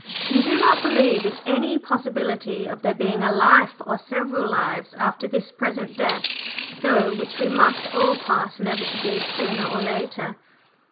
"You do not believe in any possibility of there being a life or several lives after this present death through which we must all pass inevitably, sooner or later?"